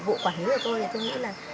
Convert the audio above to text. vụ quản lý của tôi thì tôi nghĩ là